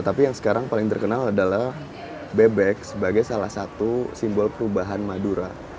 tapi yang sekarang paling terkenal adalah bebek sebagai salah satu simbol perubahan madura